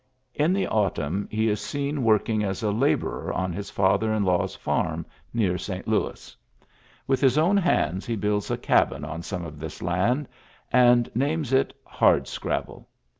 In the autumn he is seen work as a labourer on his father in law's fa near St. Louis. "With his own hands builds a cabin on some of this land, f names it "Hardscrabble.'